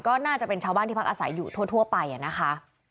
ก็น่าจะเป็นชาวบ้านที่พักอาศัยอยู่ทั่วไปนะคะ